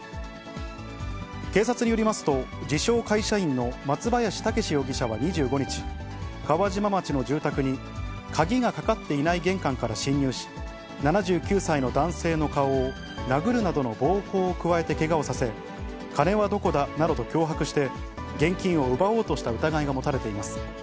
警察によりますと、自称会社員の松林剛士容疑者は２５日、川島町の住宅に、鍵がかかっていない玄関から侵入し、７９歳の男性の顔を殴るなどの暴行を加えてけがをさせ、金はどこだなどと脅迫して、現金を奪おうとした疑いが持たれています。